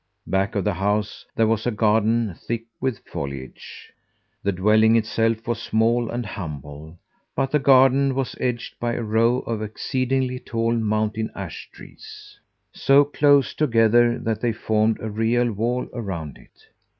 Back of the house there was a garden thick with foliage. The dwelling itself was small and humble, but the garden was edged by a row of exceedingly tall mountain ash trees, so close together that they formed a real wall around it.